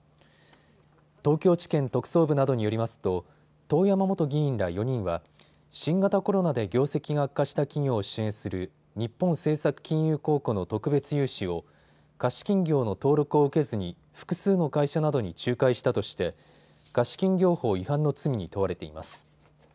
東京地検特捜部などによりますと遠山元議員ら４人は新型コロナで業績が悪化した企業を支援する日本政策金融公庫の特別融資を貸金業の登録を受けずに複数の会社などに仲介したとして貸金業法違反の罪に問われています。